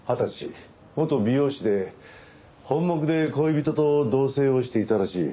元美容師で本牧で恋人と同棲をしていたらしい。